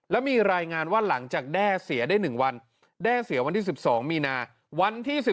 แล้วมีรายงานว่าหลังจากแด้เสียได้หนึ่งวันแด้เสียวันที่สิบสองมีนา